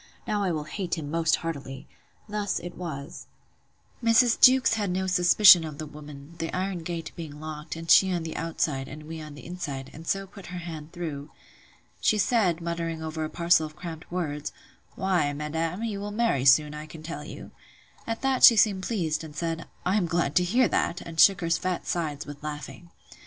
—Now will I hate him most heartily. Thus it was:— Mrs. Jewkes had no suspicion of the woman, the iron gate being locked, and she on the outside, and we on the inside; and so put her hand through. She said, muttering over a parcel of cramp words; Why, madam, you will marry soon, I can tell you. At that she seemed pleased, and said, I am glad to hear that; and shook her fat sides with laughing.